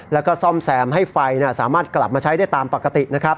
และซ่อมแสมให้ไฟสามารถกลับมาใช้ได้ตามปกติ